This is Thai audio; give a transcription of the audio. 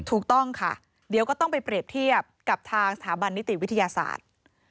ถูกต้องค่ะเดี๋ยวก็ต้องไปเปรียบเทียบกับทางสถาบันนิติวิทยาศาสตร์